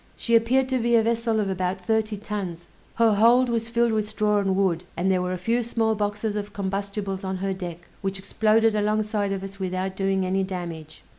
She appeared to be a vessel of about thirty tons; her hold was filled with straw and wood, and there were a few small boxes of combustibles on her deck, which exploded alongside of us without doing any damage.